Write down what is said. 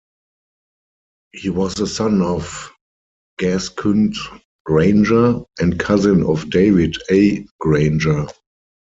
He was the son of Gaskynd Granger, and cousin of David A. Granger.